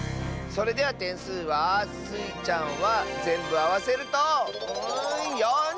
それではてんすうはスイちゃんはぜんぶあわせると４０てん！